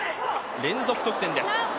連続得点です。